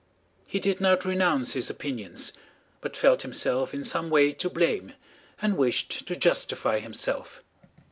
He did not renounce his opinions, but felt himself in some way to blame and wished to justify himself.